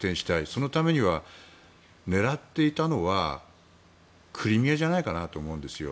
そのためには狙っていたのはクリミアじゃないかなと思うんですよ。